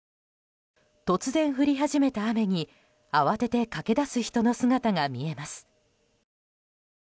突然降り始めた雨に、慌てて駆け出す人の姿が見えます。